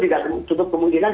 tidak cukup kemungkinan